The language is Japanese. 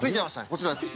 こちらです。